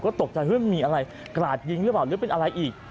ก็ตกใจว่ามีอะไรกราดยิงรึเปล่าหรือเป็นอะไรอีก